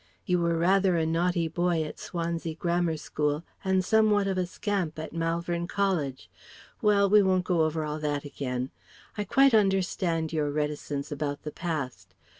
You were rather a naughty boy at Swansea Grammar School and somewhat of a scamp at Malvern College Well! we won't go over all that again. I quite understand your reticence about the past.